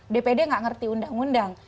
dpd nggak ngerti undang undang